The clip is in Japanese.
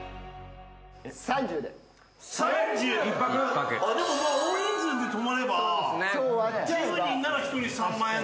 １泊？でも大人数で泊まれば１０人なら１人３万円で。